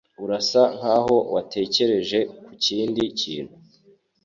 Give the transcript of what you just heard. Urasa nkaho watekereje kukindi kintu.